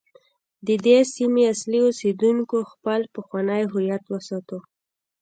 د دې سیمې اصلي اوسیدونکو خپل پخوانی هویت وساته.